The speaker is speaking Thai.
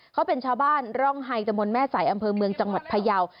เขาเป็นชาวบ้านร่องไฮตะมนต์แม่สายอำเภอเมืองจังหวัดพยาว